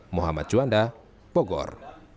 muhammad juanda bogor